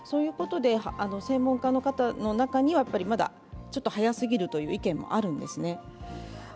専門家の方の中にはまだちょっと早すぎるという意見もあるんですね。